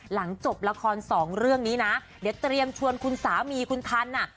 หลังจบละครสองเรื่องนี้นะเดี๋ยวเตรียมชวนคุณสามีคุณทันอ่ะ